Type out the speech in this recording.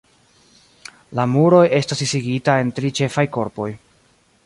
La muroj estas disigita en tri ĉefaj korpoj.